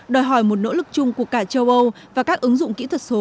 đòi hỏi một nỗ lực chung của cả châu âu và các ứng dụng kỹ thuật số